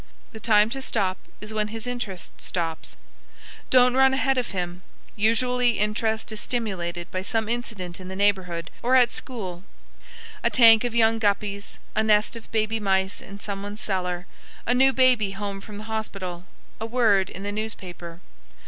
The time to stop is when his interest stops. Don't run on ahead of him. Usually interest is stimulated by some incident in the neighborhood or at school a tank of young guppies, a nest of baby mice in someone's cellar, a new baby home from the hospital, a word in the newspaper.